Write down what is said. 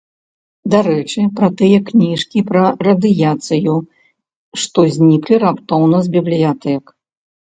Дарэчы, пра тыя кніжкі пра радыяцыю, што зніклі раптоўна з бібліятэк.